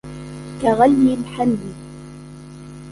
كَغَليِ الحَميمِ